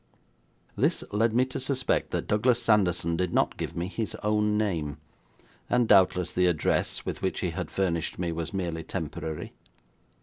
This led me to suspect that Douglas Sanderson did not give me his own name, and doubtless the address with which he had furnished me was merely temporary.